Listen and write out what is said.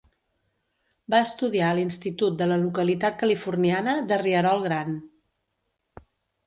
Va estudiar a l'institut de la localitat californiana de Rierol Gran.